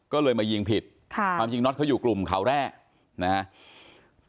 ก็เลยมายิงผิดค่ะความจริงน็อตเขาอยู่กลุ่มเขาแร่นะฮะ